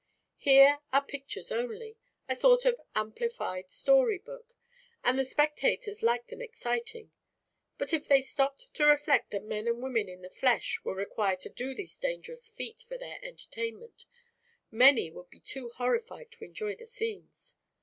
Here are pictures only a sort of amplified story book and the spectators like them exciting; but if they stopped to reflect that men and women in the flesh were required to do these dangerous feats for their entertainment, many would be too horrified to enjoy the scenes.